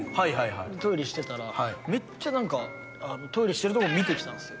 トイレしてたらめっちゃ何かトイレしてるとこ見てきたんすよ。